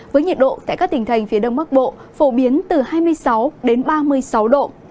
với nhiệt độ tại các tỉnh thành phía đông bắc bộ phổ biến từ hai mươi sáu đến ba mươi sáu độ